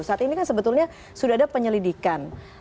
saat ini kan sebetulnya sudah ada penyelidikan